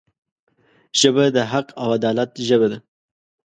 ژبه د حق او عدالت ژبه ده